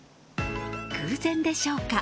偶然でしょうか？